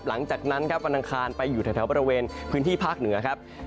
หลังจากนั้นครับวันอังคารไปอยู่แถวบริเวณพื้นที่ภาคเหนือครับ